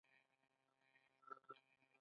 قدر مند منشي د دويم جمات پورې زدکړې